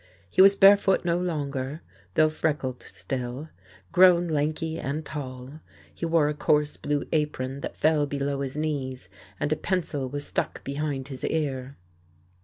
He was barefoot no longer, though freckled still, grown lanky and tall; he wore a coarse blue apron that fell below his knees, and a pencil was stuck behind his ear.